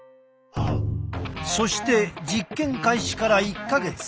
そして実験開始から１か月。